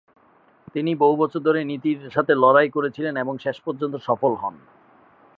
তিনি বহু বছর ধরে এই নীতির সাথে লড়াই করেছিলেন এবং শেষ পর্যন্ত সফল হন।